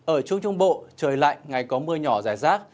ở trung trung bộ trời lạnh ngày có mưa nhỏ rải rác